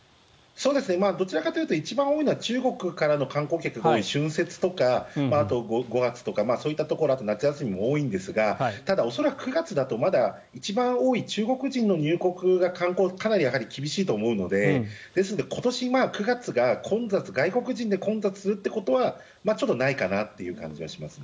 どちらかというと一番多いのが中国からの観光客が多い春節とか５月とかそういったところはあとは夏休みも多いんですが恐らく９月だとまだ一番多い中国人の入国がかなり厳しいと思うので今年９月が外国人で混雑することはちょっとないかなという気がします。